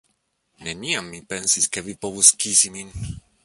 Neniam mi pensis, ke vi povus kisi min.